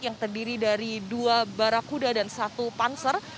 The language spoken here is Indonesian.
yang terdiri dari dua barakuda dan satu panser